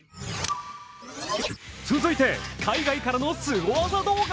続いて、海外からのスゴ技動画。